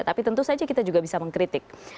tapi tentu saja kita juga bisa mengkritik